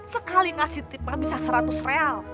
sekali ngasih tip mah bisa seratus real